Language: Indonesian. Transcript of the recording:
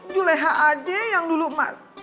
juleha aja yang dulu emak